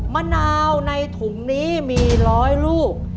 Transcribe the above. มะนาวในถุงนี้มีร้อยลูก